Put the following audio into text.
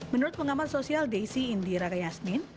menurut pengamat sosial desy indira gayasmin